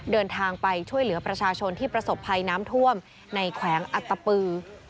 เดินทางไปช่วยเหลือประชาชนที่ประสบภัยน้ำท่วมในแขวงอัตตปือ